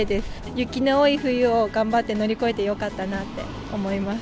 雪の多い冬を頑張って乗り越えてよかったなって思います。